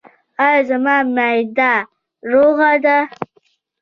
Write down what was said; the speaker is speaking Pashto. ایا زما معده روغه ده؟